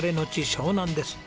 湘南です。